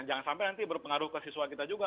jangan sampai nanti berpengaruh ke siswa kita juga